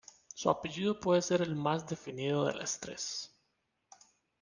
Su apellido puede ser el más definido de las tres.